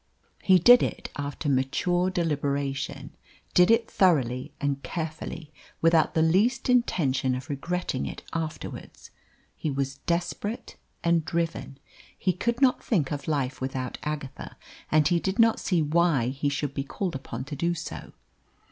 He did it after mature deliberation did it thoroughly and carefully, without the least intention of regretting it afterwards. He was desperate and driven. He could not think of life without Agatha, and he did not see why he should be called upon to do so.